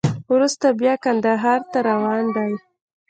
وروسته بیا کندهار ته روان دی.